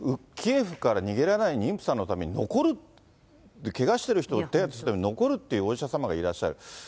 キエフから逃げられない妊婦さんのために残る、けがしてる人を手当てするために残るっていうお医者様がいらっしゃる。